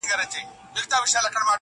زوی ته په زانګو کي د فرنګ خبري نه کوو،